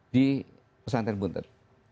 di pesantren buntet